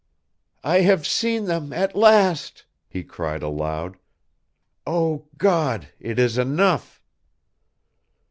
"I have seen them at last!" he cried aloud. "O God, it is enough!"